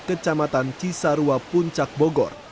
kecamatan cisarua puncak bogor